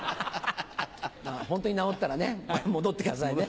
ホントに治ったらね戻ってくださいね。